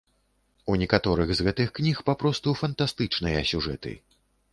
У некаторых з гэтых кніг папросту фантастычныя сюжэты.